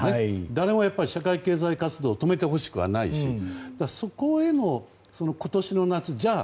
誰も社会経済活動を止めてほしくはないしそこへの今年の夏じゃあ